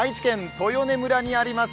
豊根村にあります